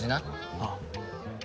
ああ。